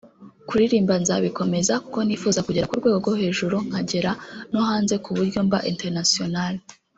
Kuririmba nzabikomeza kuko nifuza kugera ku rwego rwo hejuru nkagera no hanze kuburyo mba International